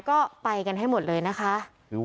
ก็ไปกันให้หมดเลยนะคะ